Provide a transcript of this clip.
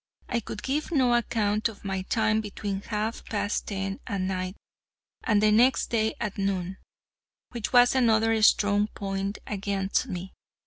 I could give no account of my time between half past ten that night and the next day at noon, which was another strong point against me.